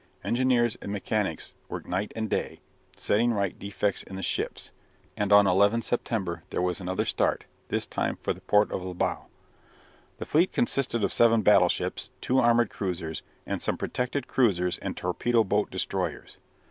Engineers and mechanics worked night and day, setting right defects in the ships, and on 11 September there was another start, this time for the port of Libau. The fleet consisted of seven battleships, two armoured cruisers, and some protected cruisers and torpedo boat destroyers.